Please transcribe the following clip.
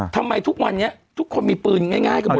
ทำไมทุกวันนี้ทุกคนมีปืนง่ายกันหมด